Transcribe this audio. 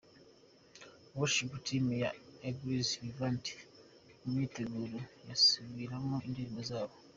Worship Team ya Eglise Vivante mu myiteguro basubiramo indirimbo zabo.